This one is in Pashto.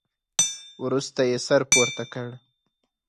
وروسته يې سر پورته کړ.